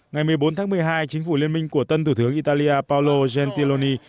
ngày một mươi bốn tháng một mươi hai chính phủ liên minh của tân thủ tướng italia paolo gentiloni